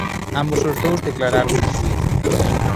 Ambos os dous declararon no xuízo.